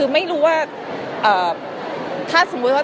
ไม่รู้ว่า